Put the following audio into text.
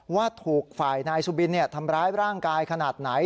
ว่าถูกฝ่ายนายสุบินทำร้ายร่างกายขนาดไหน